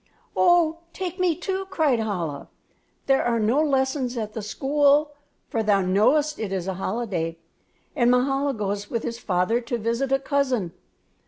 "Oh, take me, too," cried Chola. "There are no lessons at the school; for thou knowest it is a holiday, and Mahala goes with his father to visit a cousin.